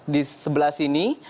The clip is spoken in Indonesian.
di sebelah sini